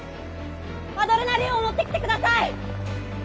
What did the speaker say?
アドレナリンを持ってきてください！